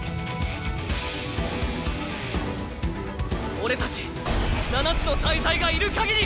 俺たち七つの大罪がいるかぎり！